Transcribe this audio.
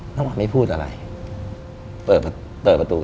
น้ำหวานไม่พูดอะไรเปิดประตู